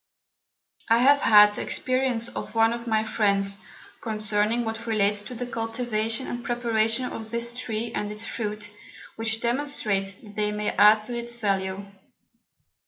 I have had the Experience of one of my Friends, concerning what relates to the Cultivation and Preparation of this Tree and its Fruit, which demonstrates that they may add to its Value.